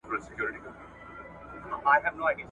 نور د تل لپاره ولاړ سي تش چرتونه در پاتیږي ..